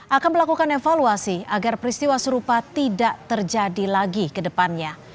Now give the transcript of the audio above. akan melakukan evaluasi agar peristiwa serupa tidak terjadi lagi ke depannya